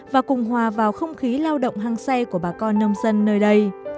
và cùng hòa vào không khí lao động hăng say của bà con nông dân nơi đây